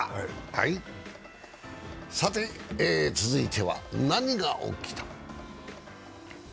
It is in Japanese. さて続いては何が起きた？